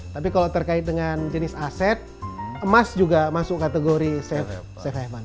tapi kalau terkait dengan jenis aset emas juga masuk kategori safe haven